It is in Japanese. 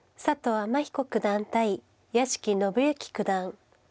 天彦九段対屋敷伸之九段。